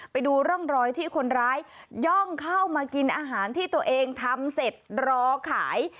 ไปดูร่องรอยที่คนร้ายย่องเข้ามากินอาหารที่ตัวเองทำเสร็จรอขาย